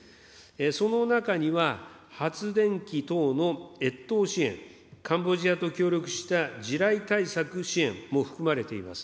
その中には、発電機等の越冬支援、カンボジアと協力した地雷対策支援も含まれています。